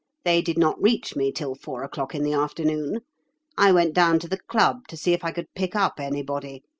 They did not reach me till four o'clock in the afternoon. I went down to the club to see if I could pick up anybody.